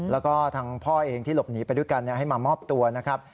แล้วก็ทางพ่อเองที่หลบหนีไปด้วยกันให้มามอบตัวนะครับ